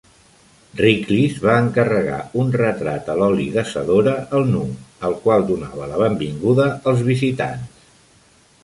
Riklis va encarregar un retrat a l'oli de Zadora al nu, el qual donava la benvinguda als visitants.